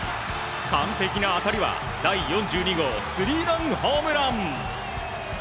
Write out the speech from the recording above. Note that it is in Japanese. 完璧な当たりは第４２号スリーランホームラン。